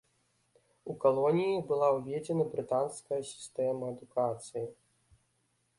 У калоніі была ўведзена брытанская сістэма адукацыі.